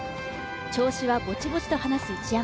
調子はぼちぼちと話す一山。